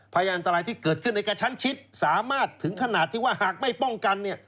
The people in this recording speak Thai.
พยานอันตรายที่เกิดขึ้นในกระชั้นชิดสามารถถึงขนาดที่ว่าหากไม่ป้องกัน